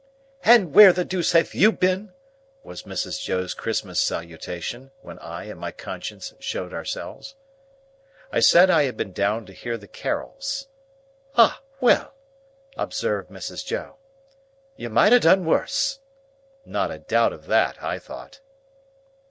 "And where the deuce ha' you been?" was Mrs. Joe's Christmas salutation, when I and my conscience showed ourselves. I said I had been down to hear the Carols. "Ah! well!" observed Mrs. Joe. "You might ha' done worse." Not a doubt of that I thought.